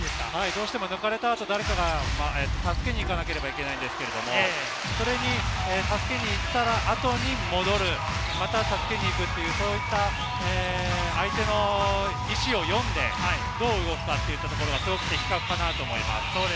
抜かれた後、誰かが助けに行かなければいけないんですけれども、助けに行ったらまた戻る、また助けに行くといった相手の意思を読んで、どう動くかというところがすごく的確かなと思います。